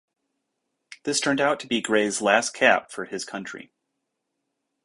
This turned out to be Gray's last cap for his country.